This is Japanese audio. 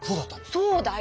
そうだよ！